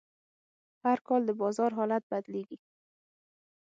هر کال د بازار حالت بدلېږي.